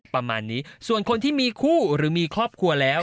ประมาณนี้ส่วนคนที่มีคู่หรือมีครอบครัวแล้ว